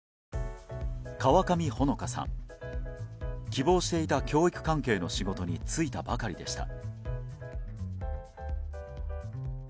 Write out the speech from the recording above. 希望していた教育関係の仕事に就いたばかりでした。